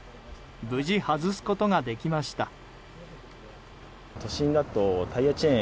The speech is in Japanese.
無事、外すことができました。